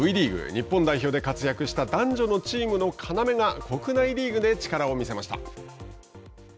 日本代表で活躍した男女の要が国内リーグで力を見せました。